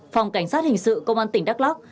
phòng cảnh sát hình sự công an tỉnh đắk lắc